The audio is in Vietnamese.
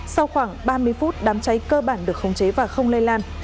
sau khoảng ba mươi phút đám cháy cơ bản được khống chế và không lây lan